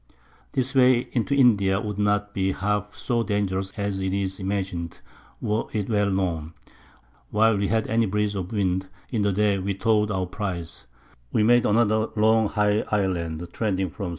This Way into India would not be half so dangerous as it is imagined, were it well known. While we had any Breeze of Wind, in the Day we towed our Prize. We made another long high Island trending from S.